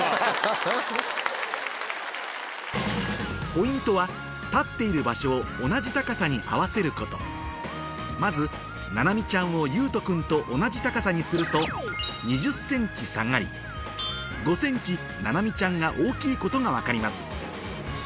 ポイントは立っている場所を同じ高さに合わせることまずななみちゃんをゆうと君と同じ高さにすると２０ｃｍ下がりななみちゃんがことが分かります